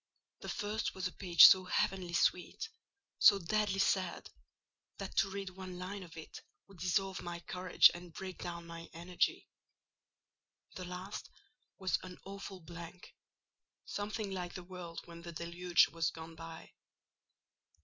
The first was a page so heavenly sweet—so deadly sad—that to read one line of it would dissolve my courage and break down my energy. The last was an awful blank: something like the world when the deluge was gone by.